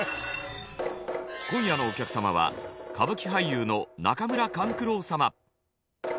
今夜のお客様は歌舞伎俳優の中村勘九郎様。